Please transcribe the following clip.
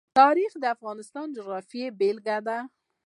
تاریخ د افغانستان د جغرافیې بېلګه ده.